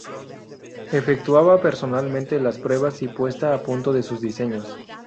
Efectuaba personalmente las pruebas y puesta a punto de sus diseños.